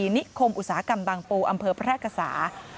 นิคมอุตสาหกรรมบางปูอำเภอแพร่กษา